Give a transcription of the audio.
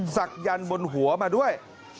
ศักยันต์บนหัวมาด้วย